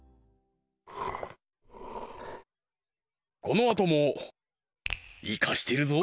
このあともイカしてるぞ！